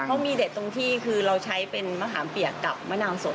เขามีเด็ดตรงที่คือเราใช้เป็นมะขามเปียกกับมะนาวสด